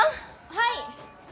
はい！